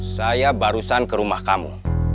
saya barusan ke rumah kamu